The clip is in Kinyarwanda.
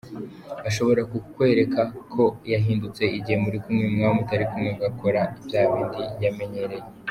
Ashobora kukwerekako yahindutse igihe muri kumwe mwaba mutari kumwe agakora byabindi yamenyereye.